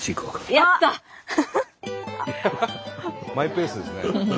マイペースですね。